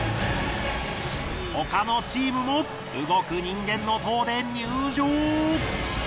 他のチームも動く人間の塔で入場。